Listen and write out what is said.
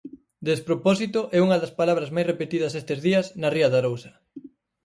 Despropósito é unha das palabras máis repetidas estes días na Ría de Arousa.